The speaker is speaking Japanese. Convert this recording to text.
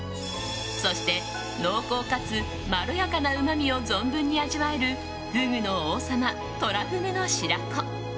そして濃厚かつまろやかなうまみを存分に味わえるフグの王様、トラフグの白子。